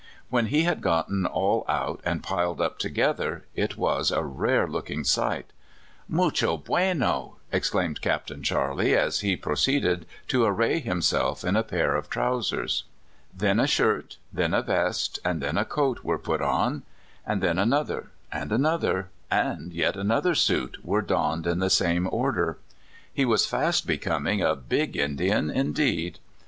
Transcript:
When he had gotten all out and piled up together, it was a rare looking sight. '''•Mucho biienol'' exclaimed Capt. Charley, as he proceeded to array himself in a pair of trousers. Then a shirt, then a vest, and then a coat were put on. And then another, and another, and yet another suit were donned in the same order. He was fast becoming a "big Indian" indeed.